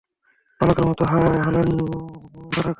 বালকের মাতা হলেন বারাকা।